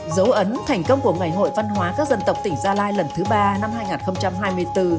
dấu ấn thành công của ngày hội văn hóa các dân tộc tỉnh gia lai lần thứ ba năm hai nghìn hai mươi bốn